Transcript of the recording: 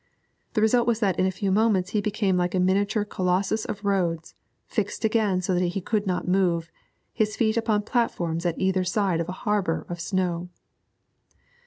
The result was that in a few moments he became like a miniature Colossus of Rhodes, fixed again so that he could not move, his feet upon platforms at either side of a harbour of snow.